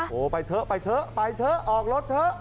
ไปเถอะไปเถอะไปเถอะออกรถเถอะ